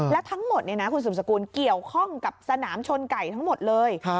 แล้วทั้งหมดคุณสืบสกุลเกี่ยวข้องกับสนามชนไก่ทั้งหมดเลย